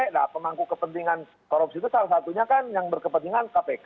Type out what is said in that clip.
nah pemangku kepentingan korupsi itu salah satunya kan yang berkepentingan kpk